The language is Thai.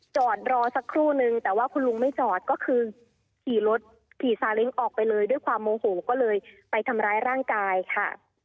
จอดรอสักครู่นึงแต่ว่าคุณลุงไม่จอดก็คือขี่รถขี่ซาเล้งออกไปเลยด้วยความโมโหก็เลยไปทำร้ายร่างกายค่ะ